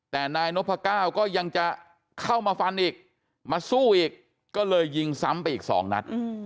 แต่นายนพก้าวก็ยังจะเข้ามาฟันอีกมาสู้อีกก็เลยยิงซ้ำไปอีก๒นัด